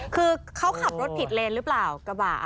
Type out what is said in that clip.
คือเขาขับรถผิดเลนหรือเปล่ากระบะ